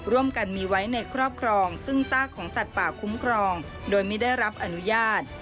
ร่วมกันมีไว้ในครอบครองซึ่งซากของสัตว์ป่าคุ้มครองโดยไม่ได้รับอนุญาต